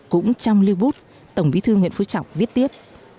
cũng trong lưu bút tổng bí thư nguyễn phú trọng viết tiếp